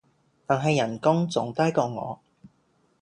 但係人工仲低過我